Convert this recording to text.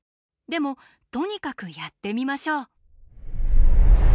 でもとにかくやってみましょう。